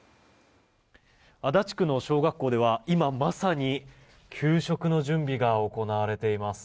足立区の小学校では今、まさに給食の準備が行われています。